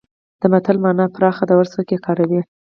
د متل مانا پراخه ده او هرڅوک یې کاروي